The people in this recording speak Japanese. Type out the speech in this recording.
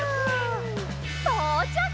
とうちゃく！